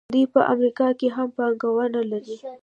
دوی په امریکا کې هم پانګونه لري.